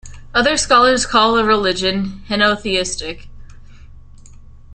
Other scholars call the religion henotheistic.